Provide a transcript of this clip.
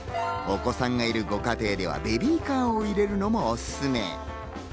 お子さんがいるご家庭ではベビーカーを入れるのもおすすめ。